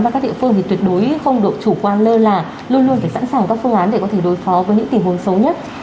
và các địa phương thì tuyệt đối không được chủ quan lơ là luôn luôn phải sẵn sàng các phương án để có thể đối phó với những tình huống xấu nhất